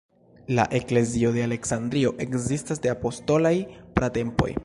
La "eklezio de Aleksandrio" ekzistas de apostolaj pratempoj.